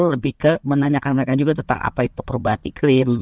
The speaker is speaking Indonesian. lebih ke menanyakan mereka juga tentang apa itu perubahan iklim